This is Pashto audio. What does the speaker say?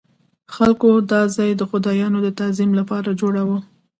خلکو به دا ځای د خدایانو د تعظیم لپاره جوړاوه.